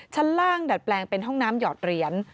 ชั้นล่างดัดแปลงเป็นห้องน้ำหยอดเหรียญ